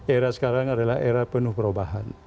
era sekarang adalah era penuh perubahan